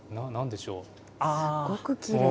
すごくきれい。